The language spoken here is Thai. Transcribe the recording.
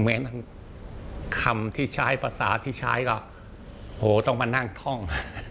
ทั้งคำที่ใช้ภาษาที่ใช้ก็โหต้องมานั่งท่อง